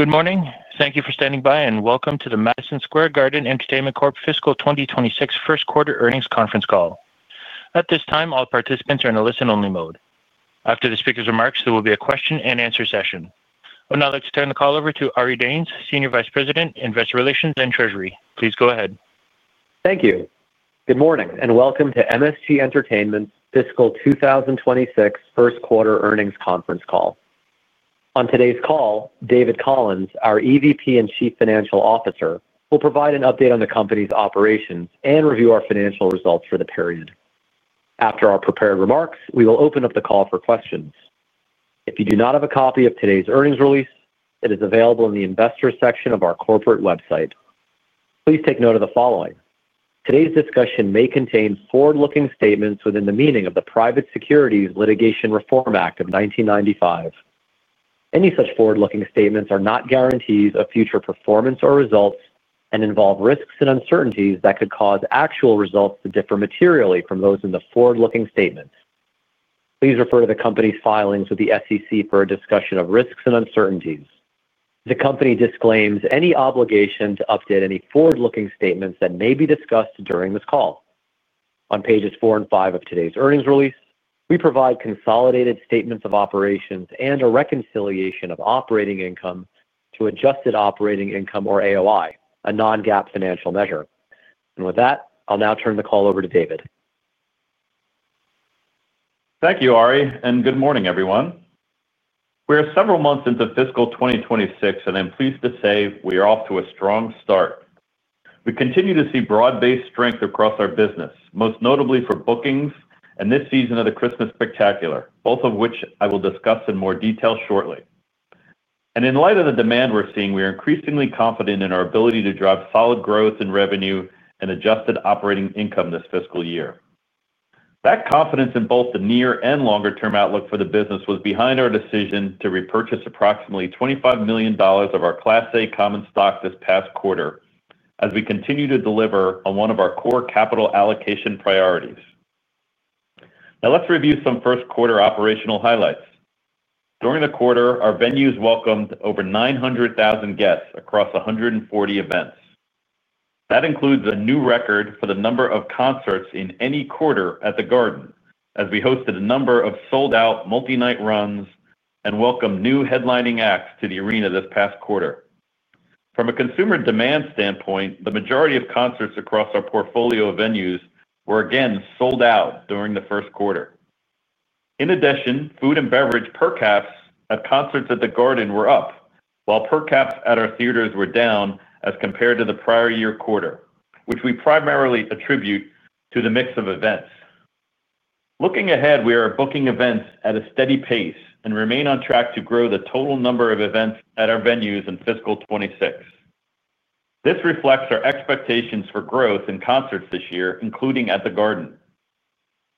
Good morning. Thank you for standing by, and welcome to the Madison Square Garden Entertainment Corp Fiscal 2026 First Quarter Earnings Conference Call. At this time, all participants are in a listen-only mode. After the speaker's remarks, there will be a question-and-answer session. I would now like to turn the call over to Ari Danes, Senior Vice President, Investor Relations and Treasury. Please go ahead. Thank you. Good morning, and welcome to MSG Entertainment's Fiscal 2026 First Quarter Earnings Conference Call. On today's call, David Collins, our EVP and Chief Financial Officer, will provide an update on the company's operations and review our financial results for the period. After our prepared remarks, we will open up the call for questions. If you do not have a copy of today's earnings release, it is available in the Investor section of our corporate website. Please take note of the following: today's discussion may contain forward-looking statements within the meaning of the Private Securities Litigation Reform Act of 1995. Any such forward-looking statements are not guarantees of future performance or results and involve risks and uncertainties that could cause actual results to differ materially from those in the forward-looking statements. Please refer to the company's filings with the SEC for a discussion of risks and uncertainties. The company disclaims any obligation to update any forward-looking statements that may be discussed during this call. On pages four and five of today's earnings release, we provide consolidated statements of operations and a reconciliation of operating income to adjusted operating income, or AOI, a non-GAAP financial measure. With that, I'll now turn the call over to David. Thank you, Ari, and good morning, everyone. We are several months into fiscal 2026, and I'm pleased to say we are off to a strong start. We continue to see broad-based strength across our business, most notably for bookings and this season of the Christmas Spectacular, both of which I will discuss in more detail shortly. In light of the demand we're seeing, we are increasingly confident in our ability to drive solid growth in revenue and adjusted operating income this fiscal year. That confidence in both the near and longer-term outlook for the business was behind our decision to repurchase approximately $25 million of our Class A common stock this past quarter as we continue to deliver on one of our core capital allocation priorities. Now, let's review some first-quarter operational highlights. During the quarter, our venues welcomed over 900,000 guests across 140 events. That includes a new record for the number of concerts in any quarter at The Garden, as we hosted a number of sold-out multi-night runs and welcomed new headlining acts to the arena this past quarter. From a consumer demand standpoint, the majority of concerts across our portfolio of venues were, again, sold out during the first quarter. In addition, food and beverage per caps at concerts at The Garden were up, while per caps at our theaters were down as compared to the prior year quarter, which we primarily attribute to the mix of events. Looking ahead, we are booking events at a steady pace and remain on track to grow the total number of events at our venues in fiscal 2026. This reflects our expectations for growth in concerts this year, including at The Garden.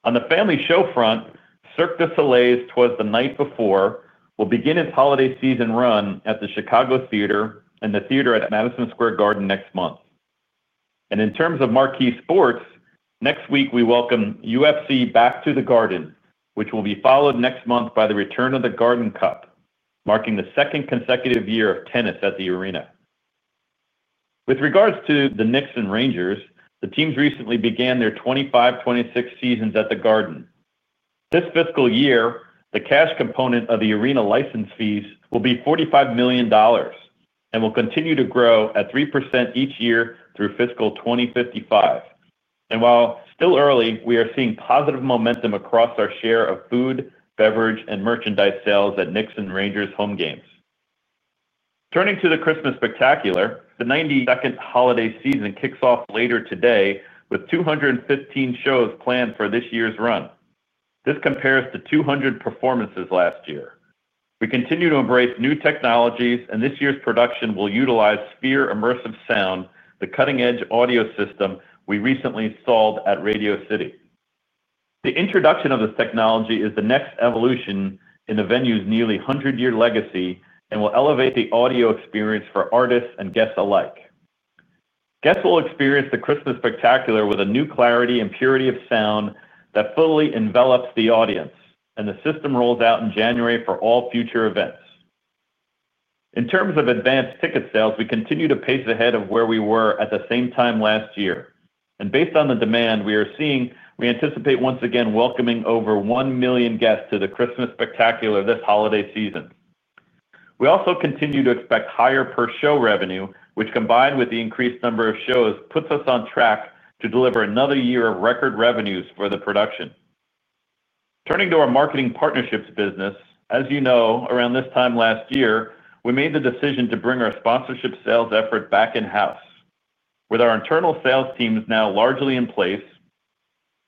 On the family show front, Cirque du Soleil's "‘Twas the Night Before" will begin its holiday season run at The Chicago Theatre and The Theater at Madison Square Garden next month. In terms of marquee sports, next week we welcome UFC Back to The Garden, which will be followed next month by the return of The Garden Cup, marking the second consecutive year of tennis at the Arena. With regards to the Knicks and Rangers, the teams recently began their 2025-2026 seasons at The Garden. This fiscal year, the cash component of the arena license fees will be $45 million. It will continue to grow at 3% each year through fiscal 2055. While still early, we are seeing positive momentum across our share of food, beverage, and merchandise sales at Knicks and Rangers home games. Turning to the Christmas Spectacular, the 92nd holiday season kicks off later today with 215 shows planned for this year's run. This compares to 200 performances last year. We continue to embrace new technologies, and this year's production will utilize Sphere Immersive Sound, the cutting-edge audio system we recently installed at Radio City. The introduction of this technology is the next evolution in the venue's nearly 100-year legacy and will elevate the audio experience for artists and guests alike. Guests will experience the Christmas Spectacular with a new clarity and purity of sound that fully envelops the audience, and the system rolls out in January for all future events. In terms of advanced ticket sales, we continue to pace ahead of where we were at the same time last year. Based on the demand we are seeing, we anticipate once again welcoming over 1 million guests to the Christmas Spectacular this holiday season. We also continue to expect higher per-show revenue, which, combined with the increased number of shows, puts us on track to deliver another year of record revenues for the production. Turning to our marketing partnerships business, as you know, around this time last year, we made the decision to bring our sponsorship sales effort back in-house. With our internal sales teams now largely in place,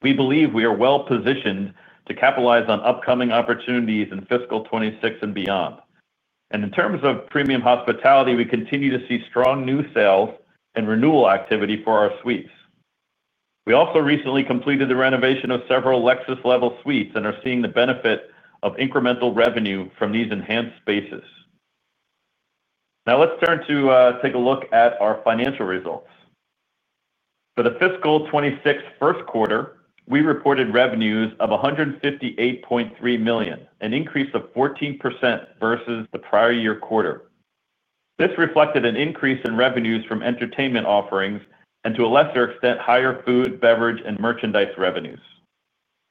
we believe we are well-positioned to capitalize on upcoming opportunities in fiscal 2026 and beyond. In terms of premium hospitality, we continue to see strong new sales and renewal activity for our suites. We also recently completed the renovation of several Lexus-level suites and are seeing the benefit of incremental revenue from these enhanced spaces. Now, let's turn to take a look at our financial results. For the fiscal 2026 first quarter, we reported revenues of $158.3 million, an increase of 14% versus the prior year quarter. This reflected an increase in revenues from entertainment offerings and, to a lesser extent, higher food, beverage, and merchandise revenues.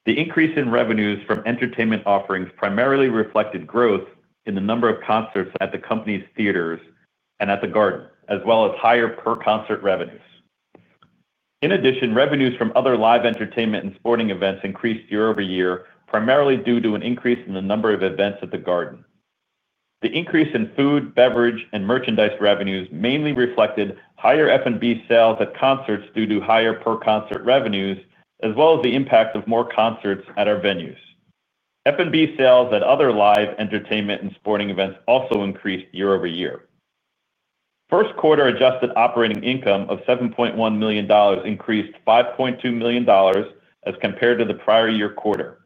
The increase in revenues from entertainment offerings primarily reflected growth in the number of concerts at the company's theaters and at The Garden, as well as higher per-concert revenues. In addition, revenues from other live entertainment and sporting events increased year-over-year, primarily due to an increase in the number of events at The Garden. The increase in food, beverage, and merchandise revenues mainly reflected higher F&B sales at concerts due to higher per-concert revenues, as well as the impact of more concerts at our venues. F&B sales at other live entertainment and sporting events also increased year-over-year. First-quarter adjusted operating income of $7.1 million increased $5.2 million as compared to the prior year quarter.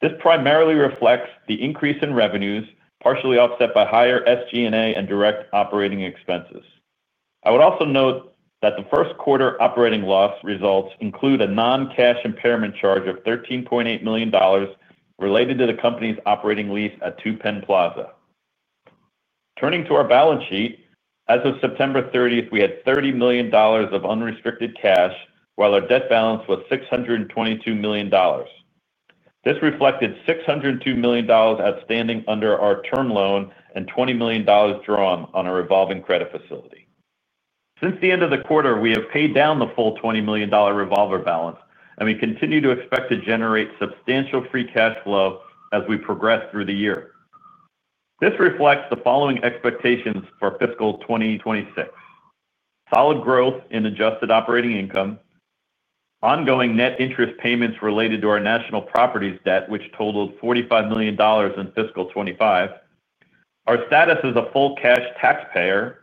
This primarily reflects the increase in revenues, partially offset by higher SG&A and direct operating expenses. I would also note that the first-quarter operating loss results include a non-cash impairment charge of $13.8 million related to the company's operating lease at 2 Penn Plaza. Turning to our balance sheet, as of September 30th, we had $30 million of unrestricted cash, while our debt balance was $622 million. This reflected $602 million outstanding under our term loan and $20 million drawn on our revolving credit facility. Since the end of the quarter, we have paid down the full $20 million revolver balance, and we continue to expect to generate substantial free cash flow as we progress through the year. This reflects the following expectations for fiscal 2026. Solid growth in adjusted operating income. Ongoing net interest payments related to our national properties debt, which totaled $45 million in fiscal 2025. Our status as a full cash taxpayer,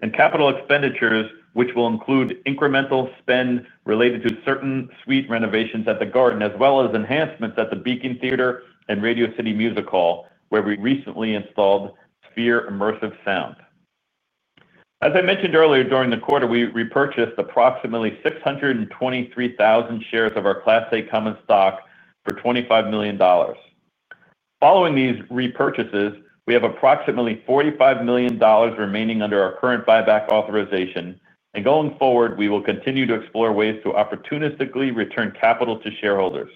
and capital expenditures, which will include incremental spend related to certain suite renovations at The Garden, as well as enhancements at The Beacon Theatre and Radio City Music Hall, where we recently installed Sphere Immersive Sound. As I mentioned earlier, during the quarter, we repurchased approximately 623,000 shares of our Class A common stock for $25 million. Following these repurchases, we have approximately $45 million remaining under our current buyback authorization, and going forward, we will continue to explore ways to opportunistically return capital to shareholders.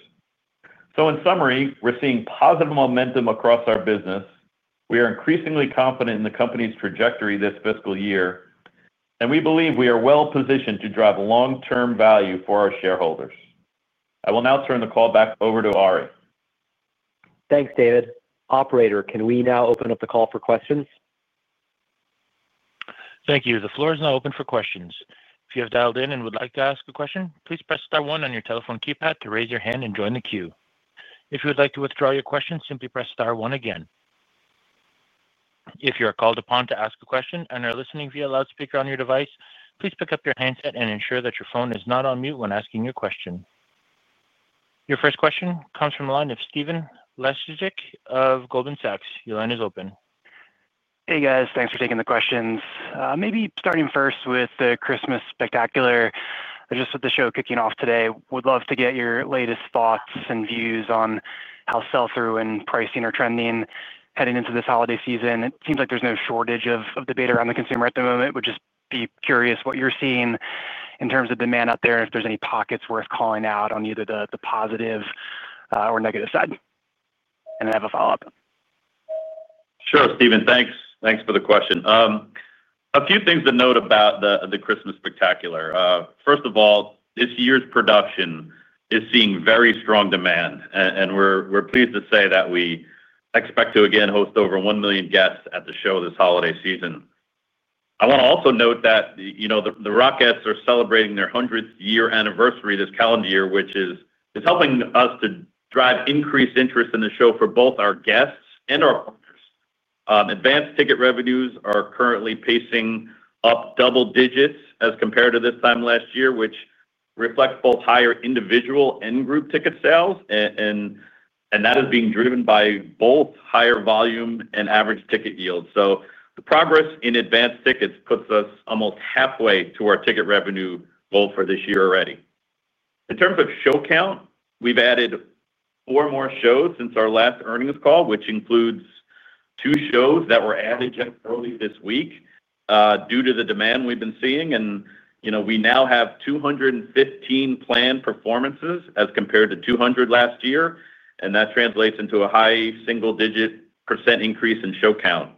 In summary, we're seeing positive momentum across our business. We are increasingly confident in the company's trajectory this fiscal year, and we believe we are well-positioned to drive long-term value for our shareholders. I will now turn the call back over to Ari. Thanks, David. Operator, can we now open up the call for questions? Thank you. The floor is now open for questions. If you have dialed in and would like to ask a question, please press star one on your telephone keypad to raise your hand and join the queue. If you would like to withdraw your question, simply press star one again. If you are called upon to ask a question and are listening via loudspeaker on your device, please pick up your handset and ensure that your phone is not on mute when asking your question. Your first question comes from the line of Stephen Laszczyk of Goldman Sachs. Your line is open. Hey, guys. Thanks for taking the questions. Maybe starting first with the Christmas Spectacular. Just with the show kicking off today, would love to get your latest thoughts and views on how sell-through and pricing are trending heading into this holiday season. It seems like there's no shortage of debate around the consumer at the moment. Would just be curious what you're seeing in terms of demand out there and if there's any pockets worth calling out on either the positive or negative side. I have a follow-up. Sure, Stephen. Thanks. Thanks for the question. A few things to note about the Christmas Spectacular. First of all, this year's production is seeing very strong demand, and we're pleased to say that we expect to, again, host over 1 million guests at the show this holiday season. I want to also note that the Rockettes are celebrating their 100th year anniversary this calendar year, which is helping us to drive increased interest in the show for both our guests and our partners. Advanced ticket revenues are currently pacing up double digits as compared to this time last year, which reflects both higher individual and group ticket sales, and that is being driven by both higher volume and average ticket yields. The progress in advanced tickets puts us almost halfway to our ticket revenue goal for this year already. In terms of show count, we've added four more shows since our last earnings call, which includes two shows that were added just earlier this week due to the demand we've been seeing. We now have 215 planned performances as compared to 200 last year, and that translates into a high single-digit percent increase in show count.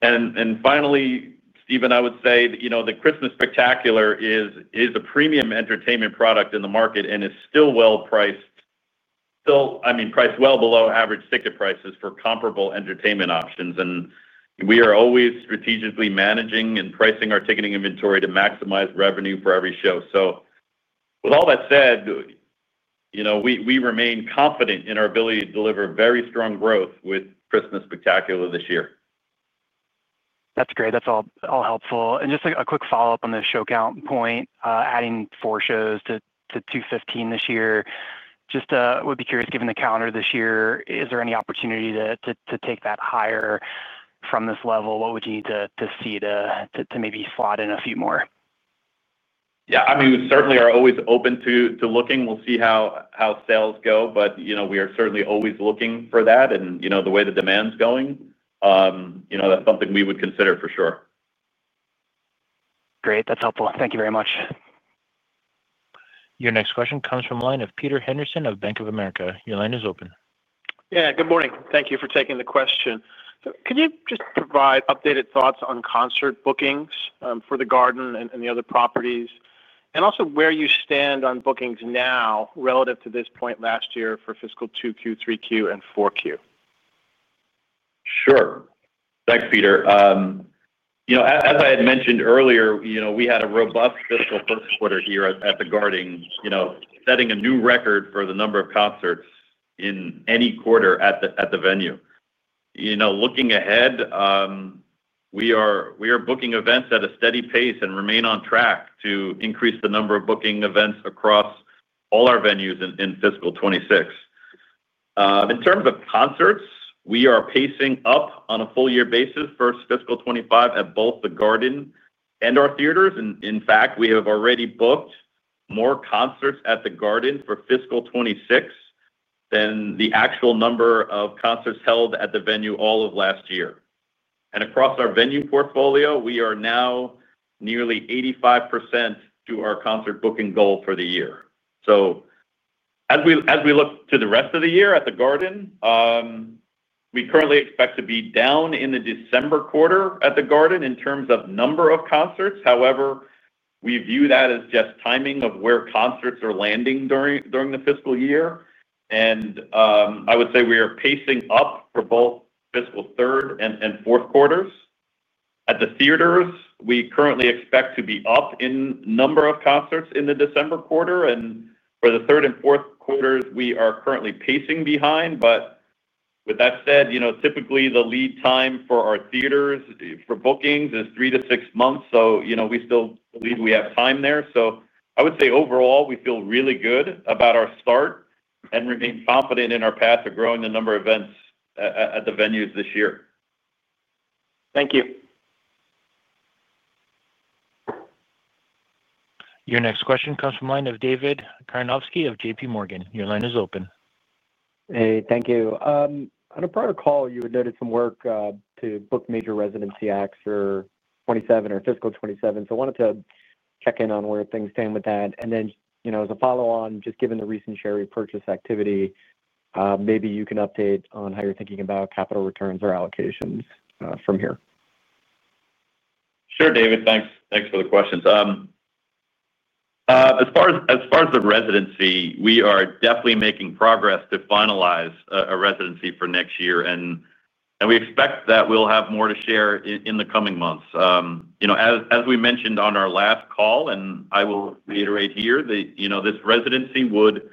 Finally, Stephen, I would say the Christmas Spectacular is a premium entertainment product in the market and is still well priced. I mean, priced well below average ticket prices for comparable entertainment options. We are always strategically managing and pricing our ticketing inventory to maximize revenue for every show. With all that said, we remain confident in our ability to deliver very strong growth with Christmas Spectacular this year. That's great. That's all helpful. Just a quick follow-up on the show count point, adding four shows to 215 this year. Just would be curious, given the calendar this year, is there any opportunity to take that higher from this level? What would you need to see to maybe slide in a few more? Yeah. I mean, we certainly are always open to looking. We'll see how sales go, but we are certainly always looking for that and the way the demand's going. That's something we would consider for sure. Great. That's helpful. Thank you very much. Your next question comes from the line of Peter Henderson of Bank of America. Your line is open. Yeah. Good morning. Thank you for taking the question. Can you just provide updated thoughts on concert bookings for The Garden and the other properties and also where you stand on bookings now relative to this point last year for fiscal 2Q, 3Q, and 4Q? Sure. Thanks, Peter. As I had mentioned earlier, we had a robust fiscal first quarter here at The Garden, setting a new record for the number of concerts in any quarter at the venue. Looking ahead, we are booking events at a steady pace and remain on track to increase the number of booking events across all our venues in fiscal 2026. In terms of concerts, we are pacing up on a full-year basis for fiscal 2025 at both The Garden and our theaters. In fact, we have already booked more concerts at The Garden for fiscal 2026 than the actual number of concerts held at the venue all of last year. Across our venue portfolio, we are now nearly 85% to our concert booking goal for the year. As we look to the rest of the year at The Garden. We currently expect to be down in the December quarter at The Garden in terms of number of concerts. However, we view that as just timing of where concerts are landing during the fiscal year. I would say we are pacing up for both fiscal third and fourth quarters. At the theaters, we currently expect to be up in number of concerts in the December quarter. For the third and fourth quarters, we are currently pacing behind. With that said, typically, the lead time for our theaters for bookings is three to six months. We still believe we have time there. I would say overall, we feel really good about our start and remain confident in our path to growing the number of events at the venues this year. Thank you. Your next question comes from the line of David Karnovsky of JPMorgan. Your line is open. Hey. Thank you. On a prior call, you had noted some work to book major residency acts for 2027 or fiscal 2027. I wanted to check in on where things stand with that. As a follow-on, just given the recent share repurchase activity, maybe you can update on how you're thinking about capital returns or allocations from here. Sure, David. Thanks for the questions. As far as the residency, we are definitely making progress to finalize a residency for next year. We expect that we'll have more to share in the coming months. As we mentioned on our last call, and I will reiterate here, this residency would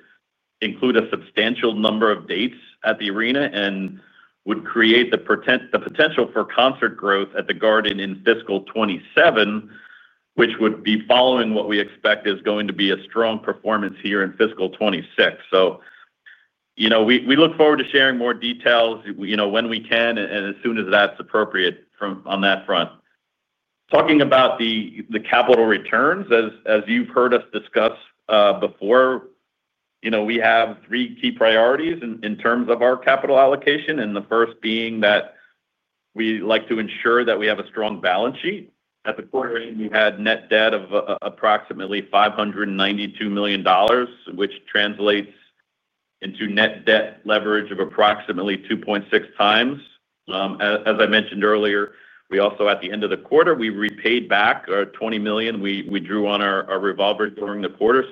include a substantial number of dates at the arena and would create the potential for concert growth at The Garden in fiscal 2027, which would be following what we expect is going to be a strong performance here in fiscal 2026. We look forward to sharing more details when we can and as soon as that's appropriate on that front. Talking about the capital returns, as you've heard us discuss before, we have three key priorities in terms of our capital allocation, and the first being that we like to ensure that we have a strong balance sheet. At the quarter end, we had net debt of approximately $592 million, which translates into net debt leverage of approximately 2.6x. As I mentioned earlier, at the end of the quarter, we repaid back our $20 million. We drew on our revolvers during the quarter.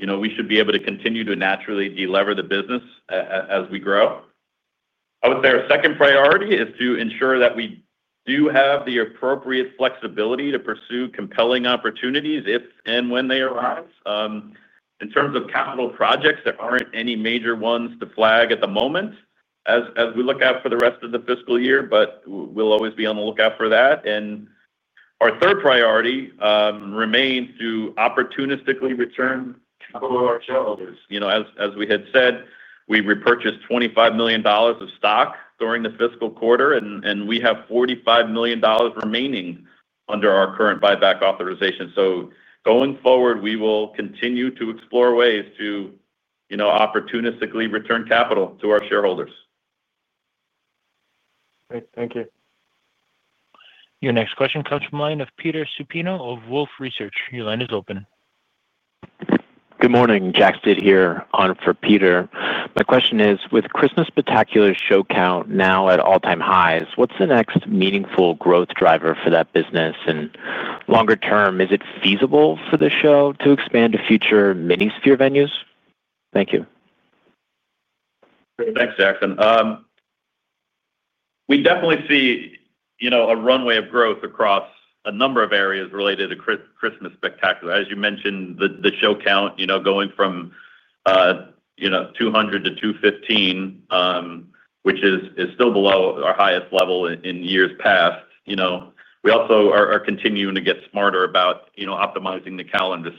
We should be able to continue to naturally deliver the business as we grow. I would say our second priority is to ensure that we do have the appropriate flexibility to pursue compelling opportunities if and when they arise. In terms of capital projects, there are not any major ones to flag at the moment as we look out for the rest of the fiscal year, but we will always be on the lookout for that. Our third priority remains to opportunistically return capital to our shareholders. As we had said, we repurchased $25 million of stock during the fiscal quarter, and we have $45 million remaining under our current buyback authorization. Going forward, we will continue to explore ways to opportunistically return capital to our shareholders. Great. Thank you. Your next question comes from the line of Peter Supino of Wolfe Research. Your line is open. Good morning. Jack Stid here on for Peter. My question is, with Christmas Spectacular show count now at all-time highs, what's the next meaningful growth driver for that business? Longer term, is it feasible for the show to expand to future mini-Sphere venues? Thank you. Thanks, Jack. We definitely see a runway of growth across a number of areas related to Christmas Spectacular. As you mentioned, the show count going from 200 to 215, which is still below our highest level in years past. We also are continuing to get smarter about optimizing the calendar.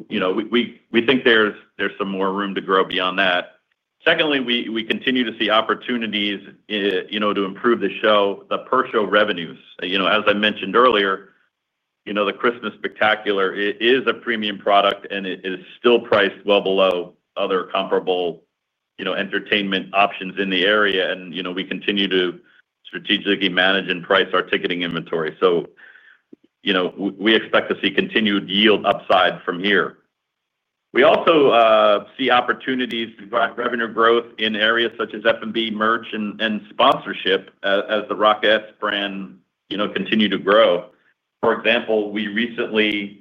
We think there's some more room to grow beyond that. Secondly, we continue to see opportunities to improve the show, the per show revenues. As I mentioned earlier, the Christmas Spectacular is a premium product, and it is still priced well below other comparable entertainment options in the area. We continue to strategically manage and price our ticketing inventory. We expect to see continued yield upside from here. We also see opportunities to drive revenue growth in areas such as F&B, merch, and sponsorship as the Rockettes brand continue to grow. For example, we recently.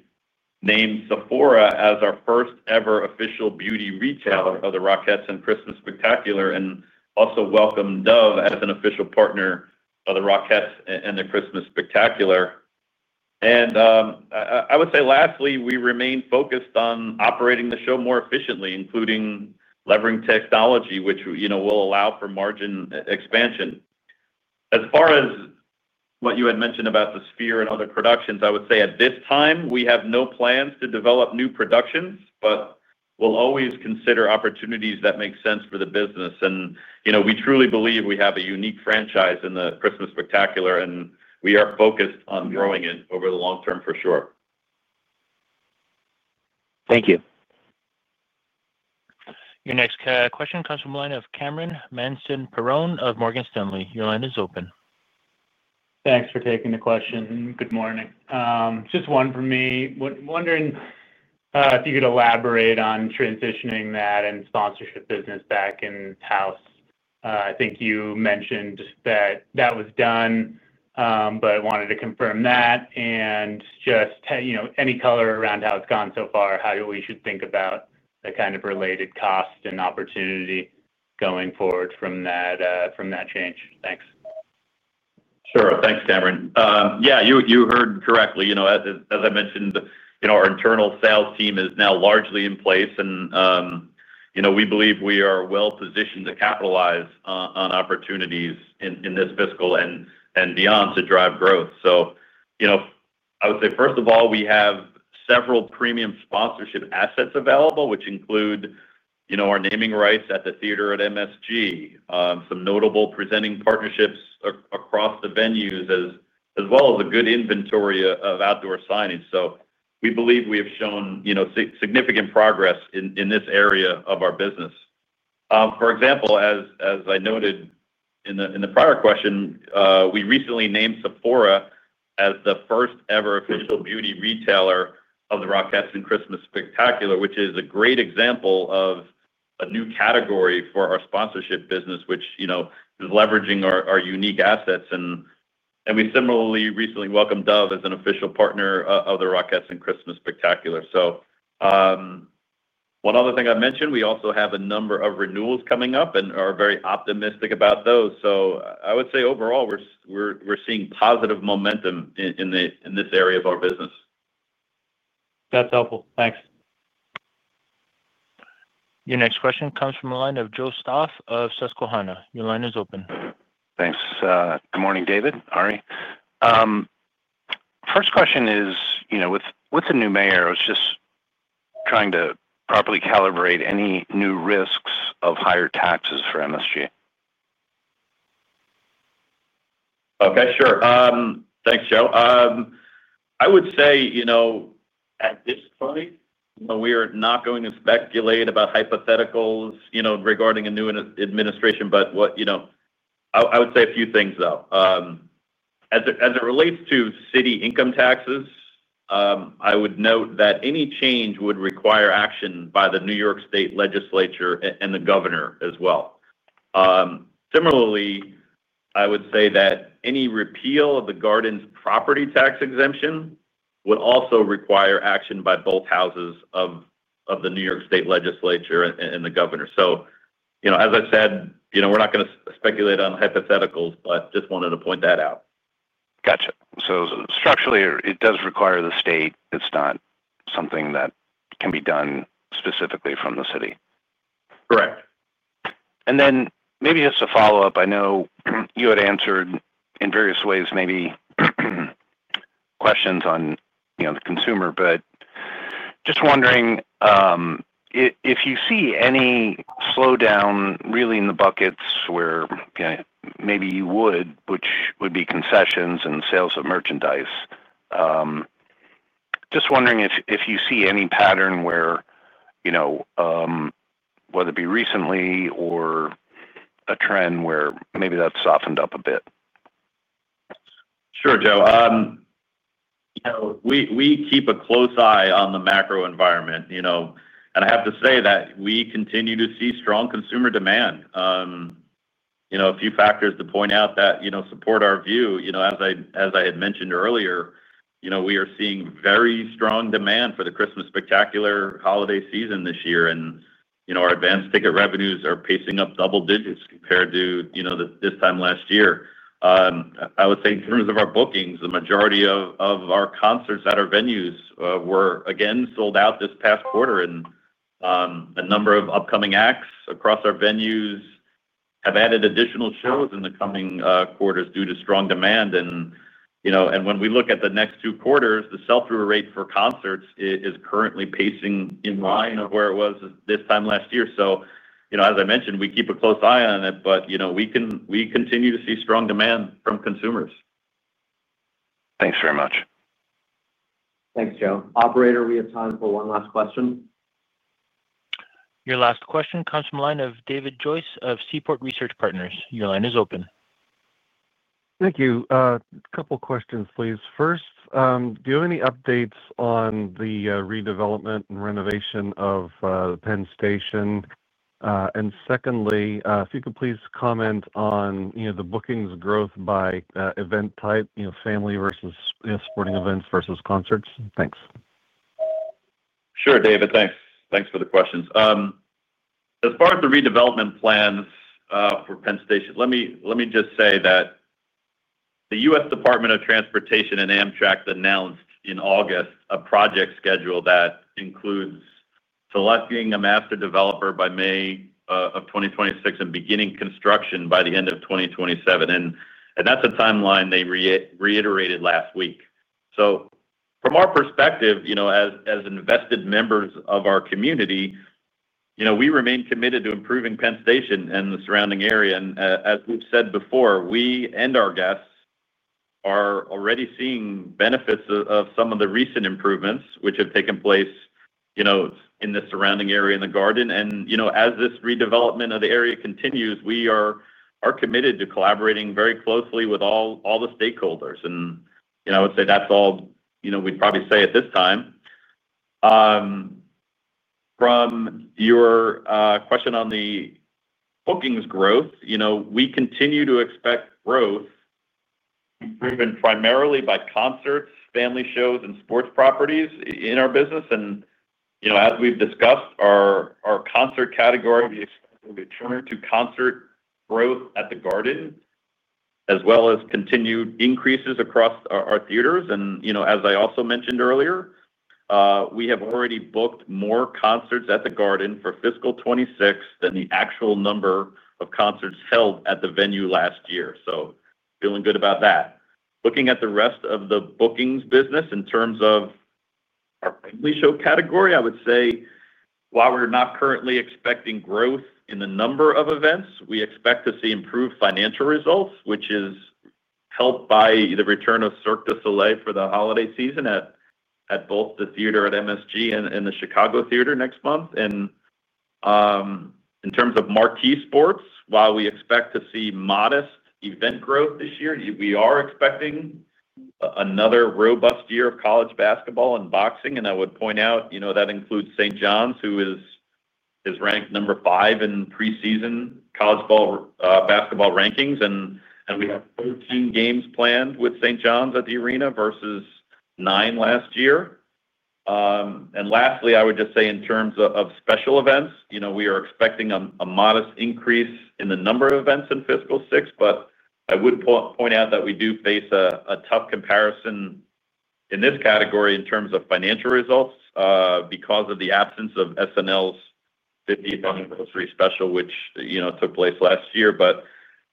Named Sephora as our first-ever official beauty retailer of the Rockettes and Christmas Spectacular and also welcomed Dove as an official partner of the Rockettes and the Christmas Spectacular. I would say lastly, we remain focused on operating the show more efficiently, including levering technology, which will allow for margin expansion. As far as what you had mentioned about the Sphere and other productions, I would say at this time, we have no plans to develop new productions, but we'll always consider opportunities that make sense for the business. We truly believe we have a unique franchise in the Christmas Spectacular, and we are focused on growing it over the long term for sure. Thank you. Your next question comes from the line of Cameron Mansson-Perrone of Morgan Stanley. Your line is open. Thanks for taking the question. Good morning. Just one from me. Wondering if you could elaborate on transitioning that sponsorship business back in-house. I think you mentioned that that was done, but wanted to confirm that. Just any color around how it's gone so far, how we should think about the kind of related cost and opportunity going forward from that change. Thanks. Sure. Thanks, Cameron. Yeah, you heard correctly. As I mentioned, our internal sales team is now largely in place. We believe we are well-positioned to capitalize on opportunities in this fiscal and beyond to drive growth. I would say, first of all, we have several premium sponsorship assets available, which include our naming rights at The Theater at MSG, some notable presenting partnerships across the venues, as well as a good inventory of outdoor signings. We believe we have shown significant progress in this area of our business. For example, as I noted in the prior question, we recently named Sephora as the first-ever official beauty retailer of the Rockettes and Christmas Spectacular, which is a great example of a new category for our sponsorship business, which is leveraging our unique assets. We similarly recently welcomed Dove as an official partner of the Rockettes and Christmas Spectacular. One other thing I mentioned, we also have a number of renewals coming up and are very optimistic about those. I would say overall, we're seeing positive momentum in this area of our business. That's helpful. Thanks. Your next question comes from the line of Joe Stauff of Susquehanna. Your line is open. Thanks. Good morning, David, Ari. First question is, with the new mayor, I was just trying to properly calibrate any new risks of higher taxes for MSG. Okay. Sure. Thanks, Joe. I would say at this point, we are not going to speculate about hypotheticals regarding a new administration. I would say a few things, though. As it relates to city income taxes, I would note that any change would require action by the New York State Legislature and the governor as well. Similarly, I would say that any repeal of The Garden's property tax exemption would also require action by both houses of the New York State Legislature and the governor. As I said, we are not going to speculate on hypotheticals, but just wanted to point that out. Gotcha. Structurally, it does require the state. It's not something that can be done specifically from the city. Correct. Maybe just a follow-up. I know you had answered in various ways maybe. Questions on the consumer, but just wondering if you see any slowdown really in the buckets where maybe you would, which would be concessions and sales of merchandise. Just wondering if you see any pattern where, whether it be recently or a trend where maybe that's softened up a bit. Sure, Joe. We keep a close eye on the macro environment. I have to say that we continue to see strong consumer demand. A few factors to point out that support our view. As I had mentioned earlier, we are seeing very strong demand for the Christmas Spectacular holiday season this year. Our advance ticket revenues are pacing up double digits compared to this time last year. I would say in terms of our bookings, the majority of our concerts at our venues were, again, sold out this past quarter. A number of upcoming acts across our venues have added additional shows in the coming quarters due to strong demand. When we look at the next two quarters, the sell-through rate for concerts is currently pacing in line with where it was this time last year. As I mentioned, we keep a close eye on it, but we continue to see strong demand from consumers. Thanks very much. Thanks, Joe. Operator, we have time for one last question. Your last question comes from the line of David Joyce of Seaport Research Partners. Your line is open. Thank you. A couple of questions, please. First, do you have any updates on the redevelopment and renovation of Penn Station? Secondly, if you could please comment on the bookings growth by event type, family versus sporting events versus concerts. Thanks. Sure, David. Thanks. Thanks for the questions. As far as the redevelopment plans for Penn Station, let me just say that the U.S. Department of Transportation and Amtrak announced in August a project schedule that includes selecting a master developer by May of 2026 and beginning construction by the end of 2027. That's a timeline they reiterated last week. From our perspective, as invested members of our community, we remain committed to improving Penn Station and the surrounding area. As we've said before, we and our guests are already seeing benefits of some of the recent improvements, which have taken place in the surrounding area and in The Garden. As this redevelopment of the area continues, we are committed to collaborating very closely with all the stakeholders. I would say that's all we'd probably say at this time. From your question on the. Bookings growth, we continue to expect growth. Driven primarily by concerts, family shows, and sports properties in our business. As we've discussed, our concert category is expected to return to concert growth at The Garden, as well as continued increases across our theaters. As I also mentioned earlier, we have already booked more concerts at The Garden for fiscal 2026 than the actual number of concerts held at the venue last year. Feeling good about that. Looking at the rest of the bookings business in terms of our family show category, I would say while we're not currently expecting growth in the number of events, we expect to see improved financial results, which is helped by the return of Cirque du Soleil for the holiday season at both The Theater at MSG and The Chicago Theatre next month. In terms of marquee sports, while we expect to see modest event growth this year, we are expecting another robust year of college basketball and boxing. I would point out that includes St. John's, who is ranked number five in preseason college basketball rankings. We have 13 games planned with St. John's at the arena versus nine last year. Lastly, I would just say in terms of special events, we are expecting a modest increase in the number of events in fiscal 2026. I would point out that we do face a tough comparison in this category in terms of financial results because of the absence of SNL's 50th Anniversary Special, which took place last year.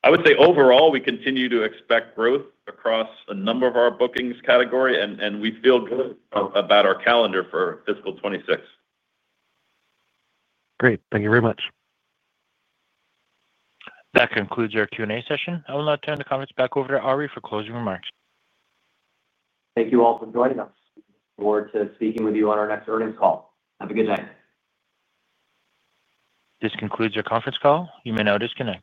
I would say overall, we continue to expect growth across a number of our bookings category. We feel good about our calendar for fiscal 2026. Great. Thank you very much. That concludes our Q&A session. I will now turn the conference back over to Ari for closing remarks. Thank you all for joining us. Look forward to speaking with you on our next earnings call. Have a good day. This concludes our conference call. You may now disconnect.